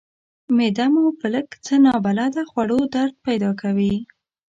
معده مو په لږ څه نابلده خوړو درد پیدا کوي.